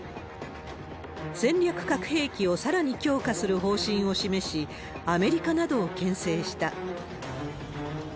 戦略核兵器をさらに強化する方針を示し、アメリカなどをけん制した。